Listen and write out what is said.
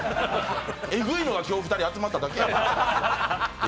えぐいのが今日２人集まっただけや。